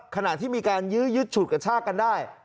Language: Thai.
ขณะที่มีการยื้อยึดฉุดกระชากกันได้